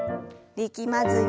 力まずに。